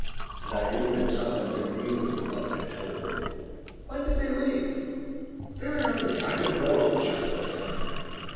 And I knew that some one at the Greenwood Club had told. "When did they leave?" "Very early—I don't know at just what time."